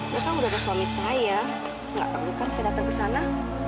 dia kan udah ada suami saya nggak perlu kan saya datang ke sana